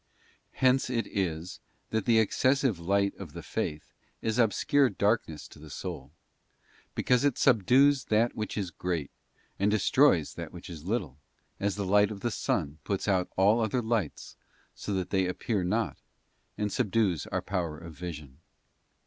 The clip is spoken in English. Hence it is that the excessive light of the faith is obscure darkness to the soul, because it subdues that which is great, and des troys that which is little, as the light of the sun puts out all other lights so that they appear not, and subdues our power of vision.